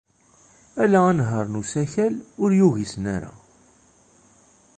Ala anehhaṛ n usakal ur yugisen ara.